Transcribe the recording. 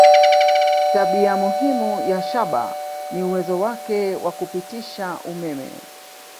Tabia muhimu ya shaba ni uwezo wake wa kupitisha umeme.